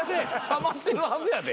たまってるはずやで。